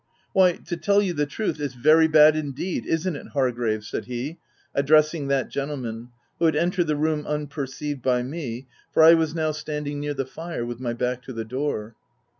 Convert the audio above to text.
" Why, to tell you the truth, it's very bad indeed — isn't it, Hargrave ?'' said he, address ing that gentleman, who had entered the room unperceived by me, for I w r as now standing near the fire with my back to the door.